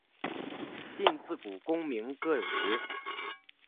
信自古功名各有时。